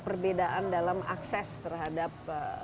perbedaan dalam akses terhadap